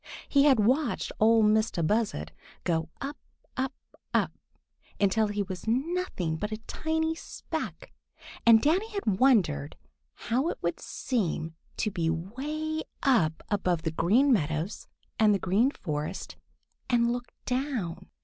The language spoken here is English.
He had watched Ol' Mistah Buzzard go up, up, up, until he was nothing but a tiny speck, and Danny had wondered how it would seem to be way up above the Green Meadows and the Green Forest and look down.